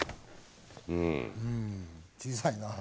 うん小さいな。